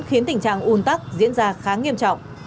khiến tình trạng un tắc diễn ra khá nghiêm trọng